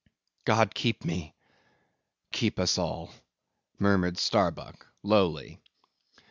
"God keep me!—keep us all!" murmured Starbuck, lowly.